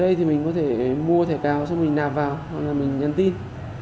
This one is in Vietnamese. ở đây thì mình có thể mua thẻ cao xong mình nạp vào hoặc là mình nhắn tin